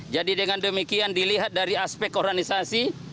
jadi dengan demikian dilihat dari aspek organisasi